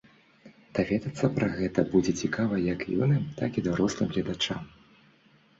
Даведацца пра гэта будзе цікава як юным, так і дарослым гледачам.